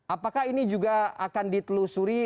apakah ini juga akan ditelusuri